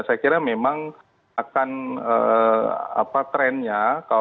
saya kira memang akan trendnya